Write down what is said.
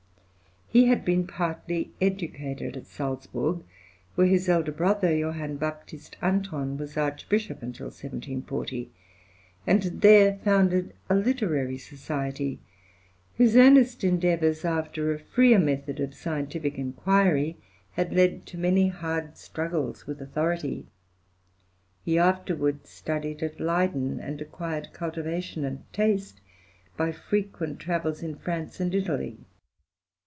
He had been partly educated at Salzburg (where his elder brother Joh. Bapt. Anton was Archbishop until 1740), and had there founded a literary society, whose earnest endeavours after a freer method of scientific inquiry had led to many hard struggles with authority. He afterwards studied at Leyden, and acquired cultivation and taste by frequent travels in France and Italy.